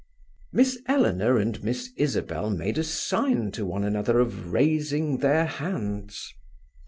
Miss Eleanor and Miss Isabel made a sign to one another of raising their hands.